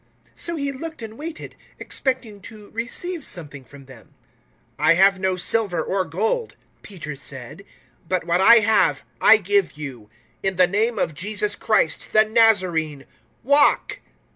003:005 So he looked and waited, expecting to receive something from them. 003:006 "I have no silver or gold," Peter said, "but what I have, I give you. In the name of Jesus Christ, the Nazarene walk!"